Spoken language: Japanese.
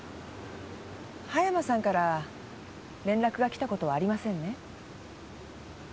葉山さんから連絡がきたことはありませんね？